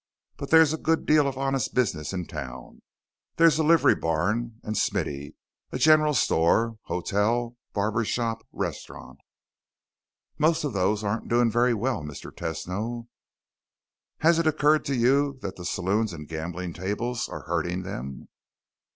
But there's a good deal of honest business in town. There's a livery barn and smithy, a general store, hotel, barber shop, restaurant...." "Most of those aren't doing very well, Mr. Tesno." "Has it occurred to you that the saloons and gambling tables are hurting them?"